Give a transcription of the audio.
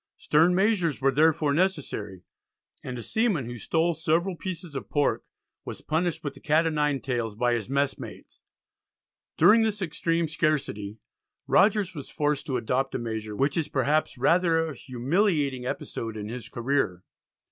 Stern measures were therefore necessary, and a seaman who stole several pieces of pork was punished with the cat o' nine tails by his mess mates. During this extreme scarcity, Rogers was forced to adopt a measure which is perhaps rather a humiliating episode in his career.